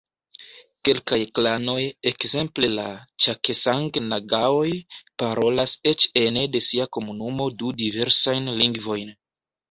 Kelkaj klanoj, ekzemple la ĉakesang-nagaoj, parolas eĉ ene de sia komunumo du diversajn lingvojn.